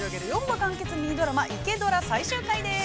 ４話完結ミニドラマ、「イケドラ」最終回です。